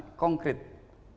yang untuk semakin nyata nanti